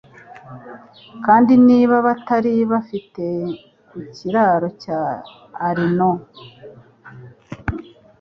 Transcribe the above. kandi niba batari bafite ku kiraro cya Arno